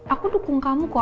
aku dukung kamu kok